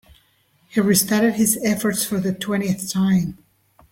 He restarted his efforts for the twentieth time.